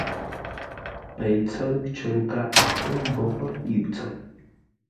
Pei tsə̂ʉ cər nkâʼ ə́ mboghʼə́ yʉʼ tsəm.